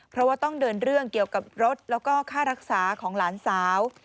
เพราะว่าต้องเดินเรื่องเกี่ยวกับรถแล้วก็ค่ารักษาของหลานสาว